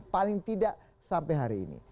paling tidak sampai hari ini